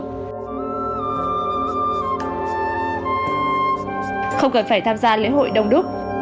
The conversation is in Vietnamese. không cần phải tham gia lễ hội đông đúc